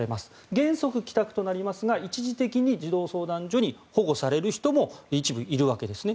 原則、帰宅となりますが一時的に児童相談所に保護される人も一部、いるわけですね。